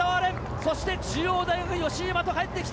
そして中央大学、吉居大和、帰ってきた。